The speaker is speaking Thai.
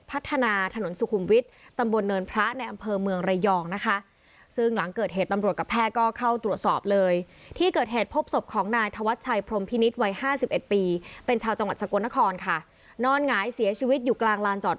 พัฒนาถนนสุขุมวิทย์ตำบวนเนินพระในอำเภอเมืองเรยองนะคะ